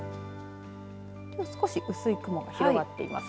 少し薄い雲が広がっています。